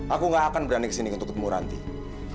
aku gak akan berani kesini untuk ketemu ranting